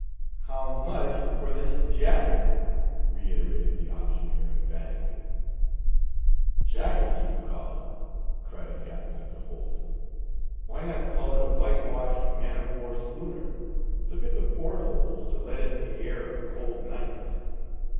"How much for this jacket?" reiterated the auctioneer, emphatically. "Jacket, do you call it!" cried a captain of the hold. "Why not call it a white washed man of war schooner? Look at the port holes, to let in the air of cold nights."